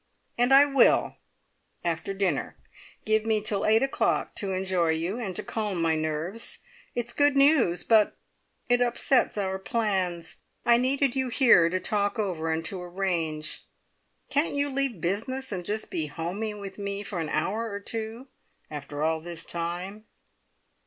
And I will after dinner. Give me till eight o'clock, to enjoy you, and to calm my nerves. It's good news, but it upsets our plans. I needed you here to talk over and to arrange. Can't you leave business, and just be `homey' with me for an hour or two, after all this time?"